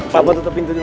papa tutup pintu dulu